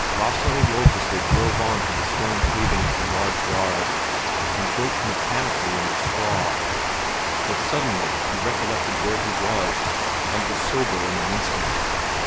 Lasse awoke as they drove on to the stone paving of the large yard, and groped mechanically in the straw. But suddenly he recollected where he was, and was sober in an instant.